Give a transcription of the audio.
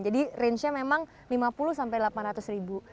jadi rangenya memang lima puluh sampai delapan ratus ribu